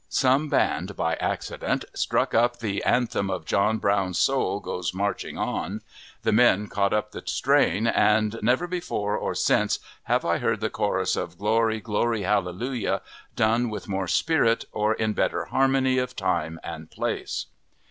Some band, by accident, struck up the anthem of "John Brown's soul goes marching on;" the men caught up the strain, and never before or since have I heard the chorus of "Glory, glory, hallelujah!" done with more spirit, or in better harmony of time and place.